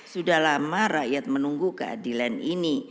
sudah lama rakyat menunggu keadilan ini